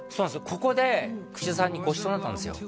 ここで串田さんにごちそうになったんですよ